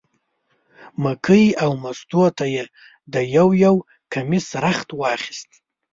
مکۍ او مستو ته یې د یو یو کمیس رخت واخیست.